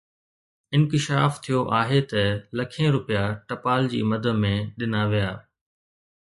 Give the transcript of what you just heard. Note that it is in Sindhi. انڪشاف ٿيو آهي ته لکين رپيا ٽپال جي مد ۾ ڏنا ويا